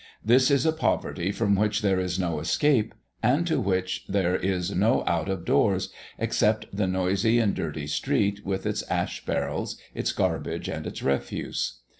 This is a poverty from which there is no escape, and to which there is no out of doors except the noisy and dirty street with its ash barrels, its garbage, and its refuse.